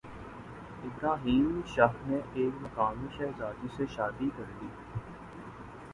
ابراہیم شاہ نے ایک مقامی شہزادی سے شادی کی